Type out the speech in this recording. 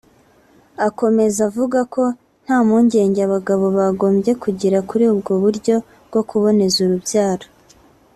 Akomeza avuga ko nta mpungenge abagabo bagombye kugira kuri ubwo buryo bwo kuboneza urubyaro